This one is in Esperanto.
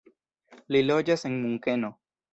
Li loĝas en Munkeno.